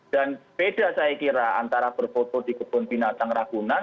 dan beda saya kira antara berfoto di kebun binatang racunan